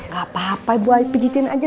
gak apa apa ibu pijetin aja